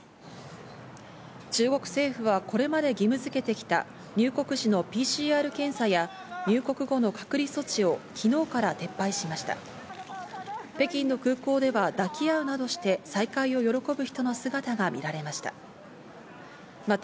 中国政府は、これまで義務づけてきた入国時のＰＣＲ検査や、入国後の隔離措置を昨日から撤退しました。